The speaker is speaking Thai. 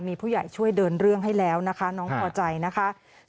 มีผู้ใหญ่ช่วยเดินเรื่องให้แล้วนะคะน้องพอใจนะคะ